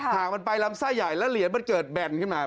หากมันไปลำไส้ใหญ่แล้วเหรียญมันเกิดแบนขึ้นมา